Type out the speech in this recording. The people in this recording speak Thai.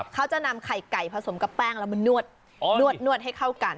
เขาจะนำไข่ไก่ผสมกับแป้งแล้วมานวดให้เข้ากัน